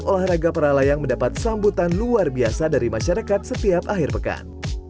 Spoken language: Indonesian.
olahraga para layang mendapat sambutan luar biasa dari masyarakat setiap akhir pekan